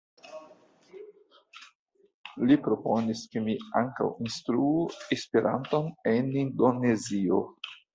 Li proponis ke mi ankaŭ instruu Esperanton en Indonezio.